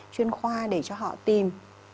chuyên khoa để cho họ tìm